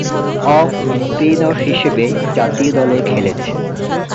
Off-spinner হিসেবে জাতীয় দলে খেলেছেন।